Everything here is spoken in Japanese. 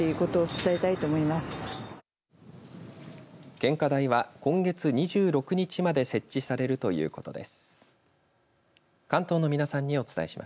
献花台は今月２６日まで設置されるということです。